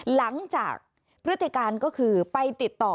หลังจากพฤติการก็คือไปติดต่อ